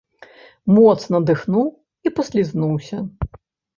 Моцна дыхнуў і паслізнуўся.